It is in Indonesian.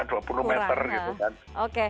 kurang nah oke